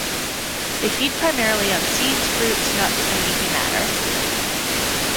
They feed primarily on seeds, fruits, nuts, and leafy matter.